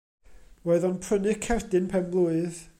Roedd o'n prynu cerdyn pen-blwydd.